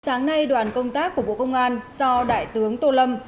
sáng nay đoàn công tác của bộ công an do đại tướng tô lâm